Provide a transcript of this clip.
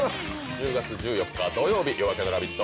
１０月１４日土曜日、「夜明けのラヴィット！」。